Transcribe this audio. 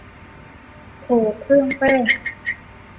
โถเครื่องแป้ง